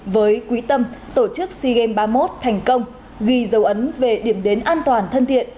với quỹ tâm tổ chức sea games ba mươi một thành công ghi dấu ấn về điểm đến an toàn thân thiện